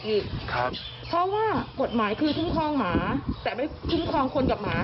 ครับเพราะว่ากฏหมายคือทิ้งคลองหมาแต่ไม่ทิ้งคลองคนกับหมา